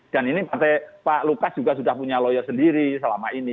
dan ini partai pak lukas juga sudah punya lawyer sendiri selama ini